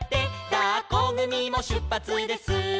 「だっこぐみもしゅっぱつです」